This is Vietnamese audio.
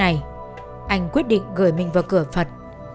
anh quyết định gửi mình vào cửa phật